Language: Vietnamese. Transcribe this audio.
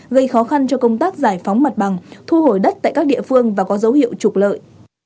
gây khó khăn cho công tác giải phóng mặt bằng thu hồi đất tại các địa phương và có dấu hiệu trục lợi